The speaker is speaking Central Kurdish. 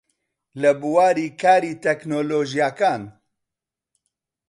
لە بواری کاری تەکنۆلۆژیاکان